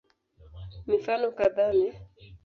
Mifano kadhaa ni